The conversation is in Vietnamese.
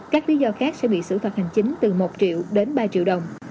các lý do khác sẽ bị xử phạt hành chính từ một triệu đến ba triệu đồng